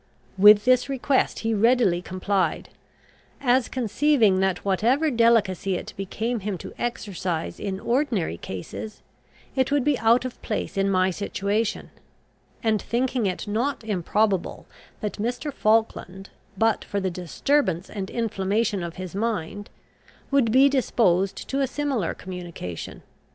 With this request he readily complied; as conceiving that whatever delicacy it became him to exercise in ordinary cases, it would be out of place in my situation; and thinking it not improbable that Mr. Falkland, but for the disturbance and inflammation of his mind, would be disposed to a similar communication.